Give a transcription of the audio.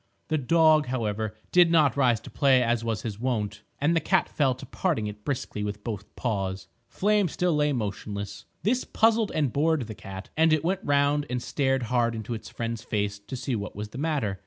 The dog, however, did not rise to play as was his wont, and the cat fell to parting it briskly with both paws. Flame still lay motionless. This puzzled and bored the cat, and it went round and stared hard into its friend's face to see what was the matter.